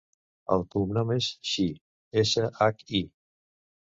El cognom és Shi: essa, hac, i.